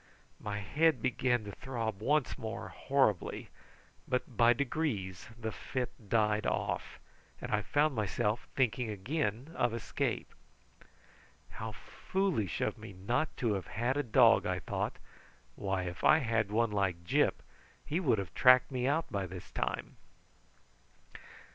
My head began to throb once more horribly, but by degrees the fit died off, and I found myself thinking again of escape. "How foolish of me not to have had a dog!" I thought. "Why, if I had had one like Gyp he would have tracked me out by this time."